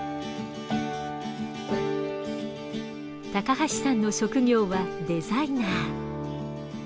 橋さんの職業はデザイナー。